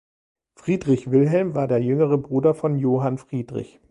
Friedrich Wilhelm war der jüngere Bruder von "Johann Friedrich".